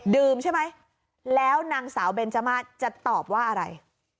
ใช่ไหมแล้วนางสาวเบนจมาสจะตอบว่าอะไร